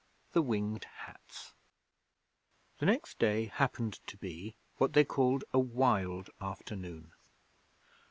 THE WINGED HATS The next day happened to be what they called a Wild Afternoon.